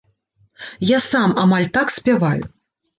Я сам амаль так спяваю.